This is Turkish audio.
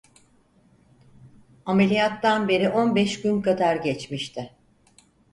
Ameliyattan beri on beş gün kadar geçmişti.